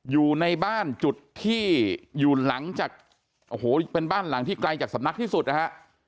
อยู่ในบ้านจุดที่อยู่หลังจากโอ้โหเป็นบ้านหลังที่ไกลจากสำนักที่สุดนะฮะ